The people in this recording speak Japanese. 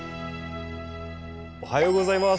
おはようございます。